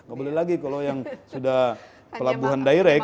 nggak boleh lagi kalau yang sudah pelabuhan direct